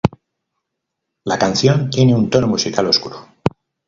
La canción tiene un tono musical oscuro.